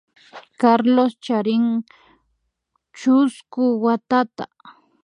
Carlos charin chusku watata